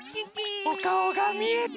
おかおがみえた！